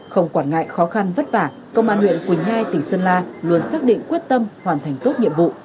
không quản ngại khó khăn vất vả công an huyện quỳnh nhai tỉnh sơn la luôn xác định quyết tâm hoàn thành tốt nhiệm vụ